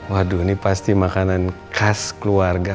waduh ini pasti makanan khas keluarga